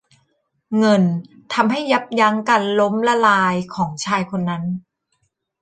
เงินทำให้ยับยั้งการล้มละลายของชายคนนั้น